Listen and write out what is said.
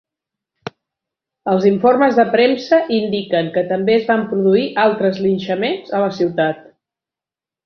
Els informes de premsa indiquen que també es van produir altres linxaments a la ciutat.